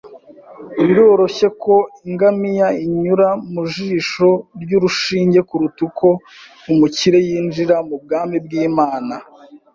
Biroroshye ko ingamiya inyura mu jisho ry'urushinge kuruta uko umukire yinjira mu bwami bw'Imana.